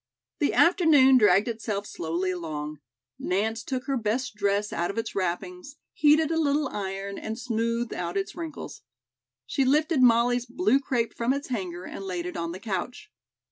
The afternoon dragged itself slowly along. Nance took her best dress out of its wrappings, heated a little iron and smoothed out its wrinkles. She lifted Molly's blue crepe from its hanger and laid it on the couch.